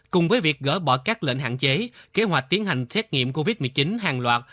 cùng với việc gỡ bỏ các lệnh hạn chế kế hoạch tiến hành xét nghiệm covid một mươi chín hàng loạt